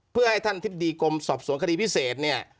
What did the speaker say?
เพื่อให้ท่านทิบดีกรมสอบสวนคดีพิเศษเนี่ย